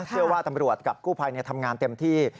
เชื่อว่าตำรวจกับกู้ภัยทำงานเต็มที่